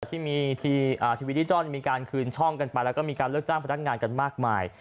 ที่มีทีวีดิจอนมีการคืนช่องกันไปแล้วก็มีการเลือกจ้างพนักงานกันมากมาย